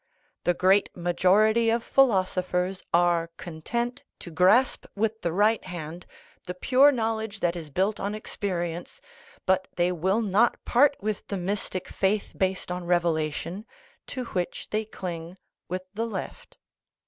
The great majority of philosophers are content to grasp with the right hand the pure knowledge that is built on experience, but they will not part with the mystic faith based on revelation, to which they cling with the left.